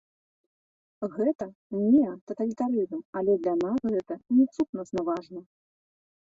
Гэта неататалітарызм, але для нас гэта не сутнасна важна.